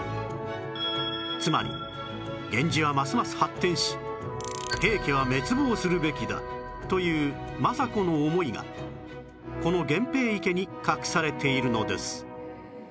つまり源氏はますます発展し平家は滅亡するべきだという政子の思いがこの源平池に隠されているのです